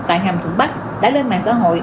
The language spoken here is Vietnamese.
tại hàm thuận bắc đã lên mạng xã hội